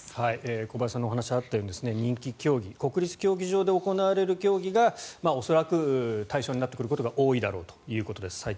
小林さんのお話にあったように、人気競技国立競技場で行われる競技が恐らく対象になってくることが多いだろうということです。